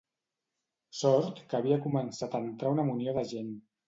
Sort que havia començat a entrar una munió de gent.